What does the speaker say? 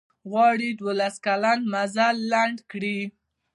غواړي دولس کلن مزل لنډ کړي.